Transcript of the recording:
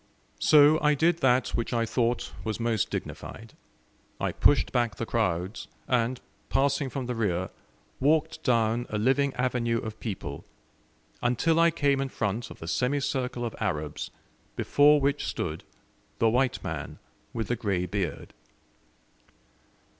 So I did that which I thought was most dignified. I pushed back the crowds, and, passing from the rear, walked down a living avenue of people, until I came in front of the semicircle of Arabs, before which stood the "white man with the grey beard."